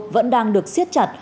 vẫn đang được siết chặt